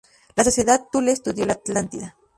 La Sociedad Thule estudió la Atlántida.